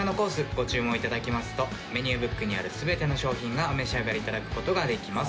ご注文いただきますとメニューブックにある全ての商品がお召し上がりいただくことができます